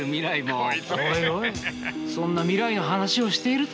おいおいそんな未来の話をしていると。